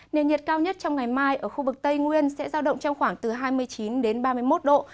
nền nhiệt cao nhất trong ngày mai ở khu vực tây nguyên sẽ giao động trong khoảng từ hai mươi chín đến ba mươi một độ